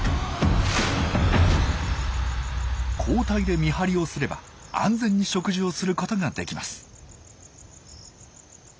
交代で見張りをすれば安全に食事をすることができます。